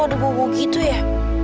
kok udah bobo gitu ya